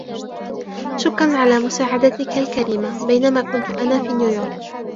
شكراً على مساعدتكَ الكريمة بينما كنت أنا في نيويورك.